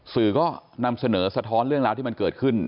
สื่อก็นำเสนอสะท้อนเรื่องราวที่มันเกิดขึ้น